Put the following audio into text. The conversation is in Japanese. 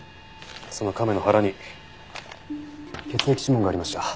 その亀の腹に血液指紋がありました。